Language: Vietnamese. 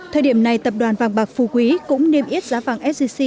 thời điểm này tập đoàn vàng bạc phù quý cũng niêm yết giá vàng sgc